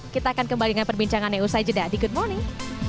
kita akan kembali dengan perbincangan eusaijeda di good morning